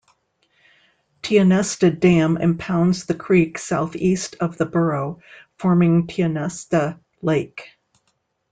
Tionesta Dam impounds the creek southeast of the borough, forming Tionesta Lake.